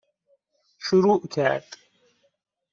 شروع کرد